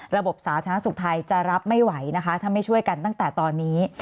สาธารณสุขไทยจะรับไม่ไหวนะคะถ้าไม่ช่วยกันตั้งแต่ตอนนี้